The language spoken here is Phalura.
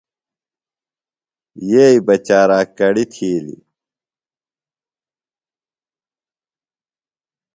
یئی بہ چاراک کڑی تِھیلیۡ۔